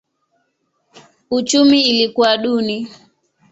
Uchumi ilikuwa duni.